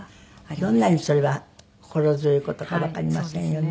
どんなにそれは心強い事かわかりませんよね。